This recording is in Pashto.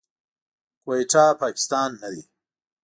کويټه، پاکستان نه دی.